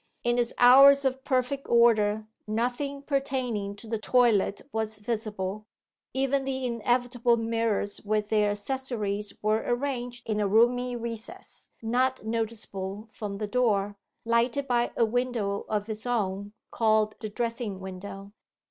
In its hours of perfect order nothing pertaining to the toilet was visible; even the inevitable mirrors with their accessories were arranged in a roomy recess not noticeable from the door, lighted by a window of its own, called the dressing window.